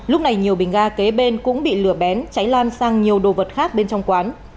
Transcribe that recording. lúc này nhiều bình ga kế bên cũng bị lửa bén cháy lan sang nhiều đồ vật khác bên trong quán